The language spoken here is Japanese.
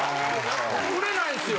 売れないんすよ。